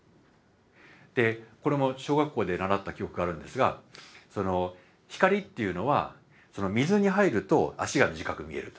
でこれも小学校で習った記憶があるんですが光っていうのは水に入ると足が短く見えると。